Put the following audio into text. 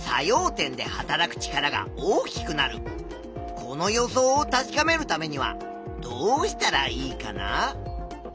この予想を確かめるためにはどうしたらいいかな？